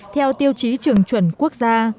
theo tiêu chí trường chuẩn quốc gia